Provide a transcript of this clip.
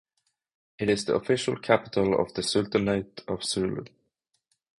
It is the official capital of the Sultanate of Sulu.